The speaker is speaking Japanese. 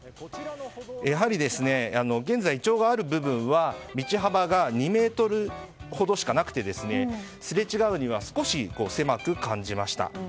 やはり現在イチョウがある部分は道幅が２ｍほどしかなくてすれ違うには少し狭く感じました。